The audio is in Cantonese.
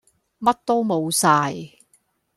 乜都冇曬